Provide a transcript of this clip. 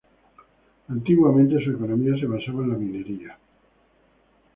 Antiguamente, su economía se basaba en la minería.